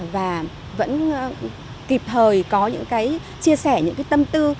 và vẫn kịp thời có những cái chia sẻ những cái tâm tư